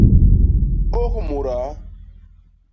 Ôk mudaa.